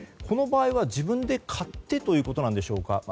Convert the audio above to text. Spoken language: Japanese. この場合は自分で買ってということなのでしょうか。